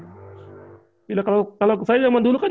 gila kalau saya jaman dulu kan